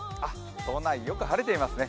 都内よく晴れていますね。